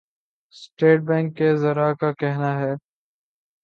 state Bank کے ذرائع کا کہناہے